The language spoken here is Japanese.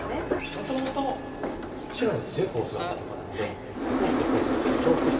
もともと白の強いフォースがあったとこなのでフォースとフォースがちょっと重複してますからね。